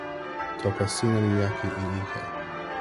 toki sina li jaki li ike.